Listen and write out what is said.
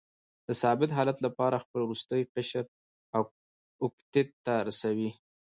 د ثابت حالت لپاره خپل وروستی قشر اوکتیت ته رسوي.